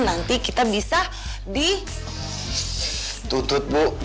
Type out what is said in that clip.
nanti kita bisa ditutup bu